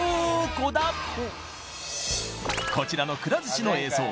こちらのくら寿司の映像